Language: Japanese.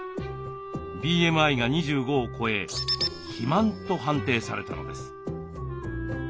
ＢＭＩが２５を超え肥満と判定されたのです。